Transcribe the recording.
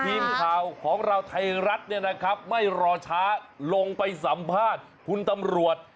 ทีมข่าวของเราไทยรัฐเนี่ยนะครับไม่รอช้าลงไปสัมภาษณ์คุณตำรวจ